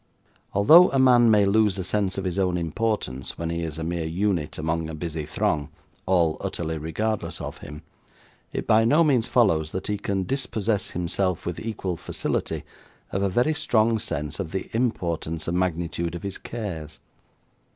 Although a man may lose a sense of his own importance when he is a mere unit among a busy throng, all utterly regardless of him, it by no means follows that he can dispossess himself, with equal facility, of a very strong sense of the importance and magnitude of his cares.